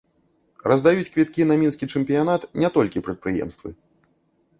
Раздаюць квіткі на мінскі чэмпіянат не толькі прадпрыемствы.